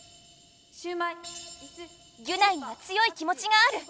ギュナイには強い気もちがある。